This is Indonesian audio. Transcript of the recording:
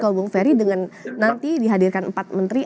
kalau bung ferry dengan nanti dihadirkan empat menteri